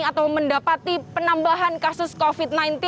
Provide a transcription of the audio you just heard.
atau mendapati penambahan kasus covid sembilan belas